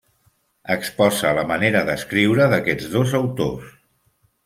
Exposa la manera d'escriure d'aquests dos autors.